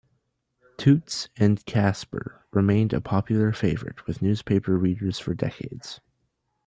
"Toots and Casper" remained a popular favorite with newspaper readers for decades.